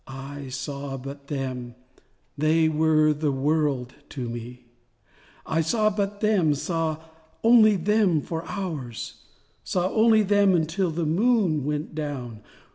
I saw but them—they were the world to me! I saw but them—saw only them for hours, Saw only them until the moon went down.